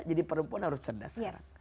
jadi perempuan harus cerdas